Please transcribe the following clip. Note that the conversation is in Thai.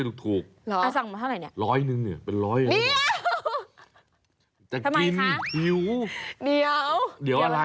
เดี๋ยวเดี๋ยวอะไร